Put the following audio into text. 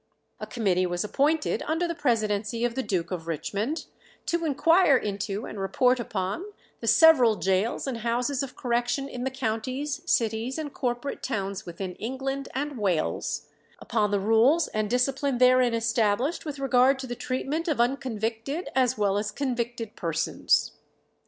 A committee was appointed, under the presidency of the Duke of Richmond, "to inquire into and report upon the several gaols and houses of correction in the counties, cities, and corporate towns within England and Wales; upon the rules and discipline therein established with regard to the treatment of unconvicted as well as convicted persons."